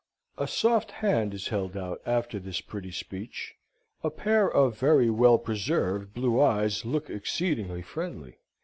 A soft hand is held out after this pretty speech, a pair of very well preserved blue eyes look exceedingly friendly.